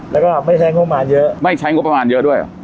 แล้วก็ไม่ใช้งบประมาณเยอะไม่ใช้งบประมาณเยอะด้วย